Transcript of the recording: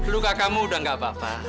luka kamu udah gak apa apa